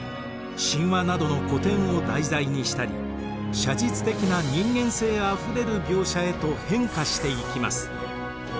神話などの古典を題材にしたり写実的な人間性あふれる描写へと変化していきます。